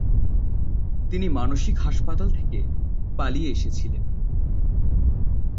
তিনি মানসিক হাসপাতাল থেকে পালিয়ে এসেছিলেন।